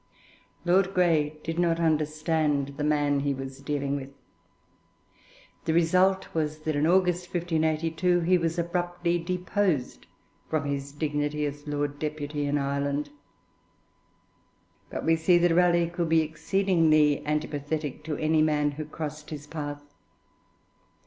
Lord Grey did not understand the man he was dealing with. The result was that in August 1582 he was abruptly deposed from his dignity as Lord Deputy in Ireland. But we see that Raleigh could be exceedingly antipathetic to any man who crossed his path.